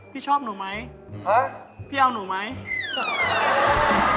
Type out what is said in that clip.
พี่ชอบหนูไหมฮะพี่เอาหนูไหม